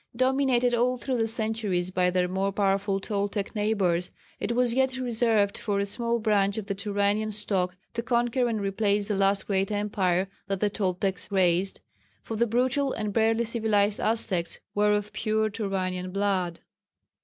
Dominated all through the centuries by their more powerful Toltec neighbours, it was yet reserved for a small branch of the Turanian stock to conquer and replace the last great empire that the Toltecs raised, for the brutal and barely civilized Aztecs were of pure Turanian blood.